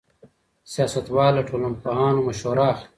سیاستوال له ټولنپوهانو مشوره اخلي.